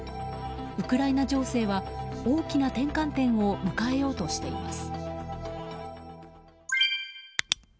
ウクライナ情勢は大きな転換点を迎えようとしています。